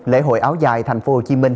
lễ hội áo dài tp hcm